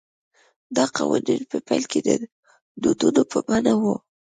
دا قوانین په پیل کې د دودونو په بڼه وو